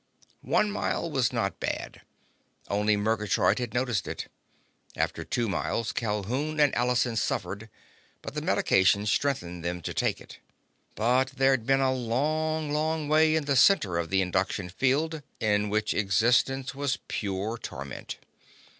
One mile was not bad. Only Murgatroyd had noticed it. After two miles Calhoun and Allison suffered; but the medication strengthened them to take it. But there'd been a long, long way in the center of the induction field in which existence was pure torment.